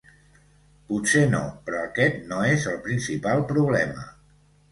Potser no, però aquest no és el principal problema.